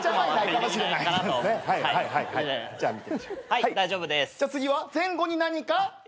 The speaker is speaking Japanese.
はい大丈夫です。